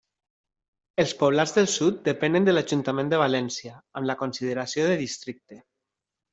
Els Poblats del Sud depenen de l'ajuntament de València amb la consideració de districte.